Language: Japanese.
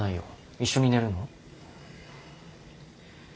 一緒に寝るの？